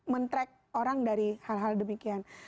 mentrek orang dari hal hal demikian